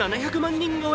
人超え。